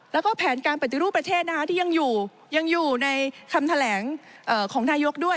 แล้วก็แผนการปฏิรูปประเทศที่ยังอยู่ในคำแถลงของนายกด้วย